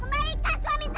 kembalikan suami saya